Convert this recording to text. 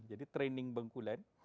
jadi training bengkulen